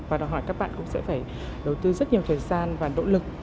và đòi hỏi các bạn cũng sẽ phải đầu tư rất nhiều thời gian và nỗ lực